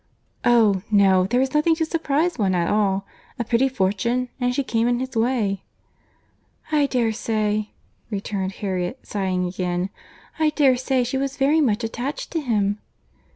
"Oh! no—there is nothing to surprize one at all.—A pretty fortune; and she came in his way." "I dare say," returned Harriet, sighing again, "I dare say she was very much attached to him."